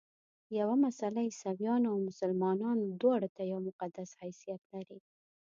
یوه مسله عیسویانو او مسلمانانو دواړو ته یو مقدس حیثیت لري.